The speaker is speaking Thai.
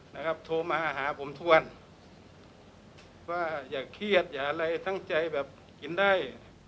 นะครับโทรมาหาผมทุกวันว่าอย่าเครียดอย่าอะไรตั้งใจแบบกินได้